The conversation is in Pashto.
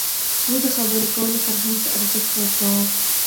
زه د خبرو کولو فرهنګ ته ارزښت ورکوم.